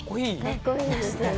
かっこいいですよね。